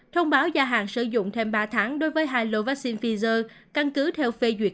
thông báo gia hàng sử dụng thêm ba tháng đối với hai lô vaccine pfizer căn cứ theo phê duyệt